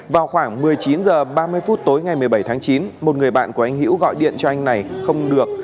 vào khoảng một mươi chín h ba mươi phút tối ngày một mươi bảy tháng chín một người bạn của anh hữu gọi điện cho anh này không được